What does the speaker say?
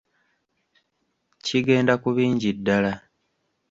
Kigenda ku bingi ddala.